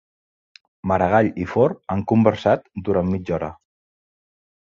Maragall i Forn han conversat durant mitja hora